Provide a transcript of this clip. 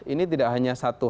ini tidak hanya satu